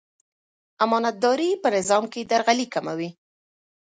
امانتداري په نظام کې درغلي کموي.